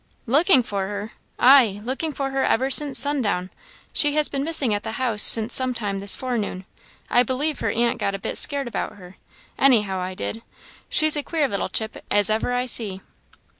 "Looking for her! ay, looking for her ever since sundown. She has been missing at the house since some time this forenoon. I believe her aunt got a bit scared about her; any how, I did. She's a queer little chip, as ever I see."